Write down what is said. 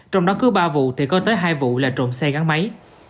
trong đó cứ ba vụ thì có tới hai vụ là trộm xe gắn máy